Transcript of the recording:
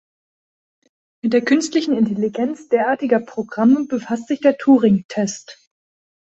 Mit der künstlichen Intelligenz derartiger Programme befasst sich der Turing-Test.